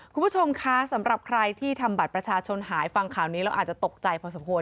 คุณผู้ชมคะสำหรับใครที่ทำบัตรประชาชนหายฟังข่าวนี้แล้วอาจจะตกใจพอสมควร